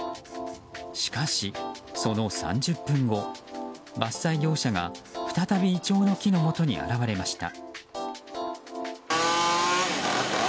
しかし、その３０分後伐採業者が再びイチョウの木のもとに現れました。